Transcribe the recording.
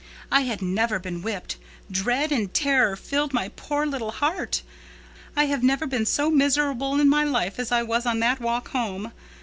"I had never been whipped. Dread and terror filled my poor little heart. I have never been so miserable in my life as I was on that walk home.